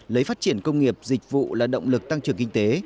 lấy phát triển công nghiệp dịch vụ là động lực tăng trưởng kinh tế